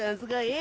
え？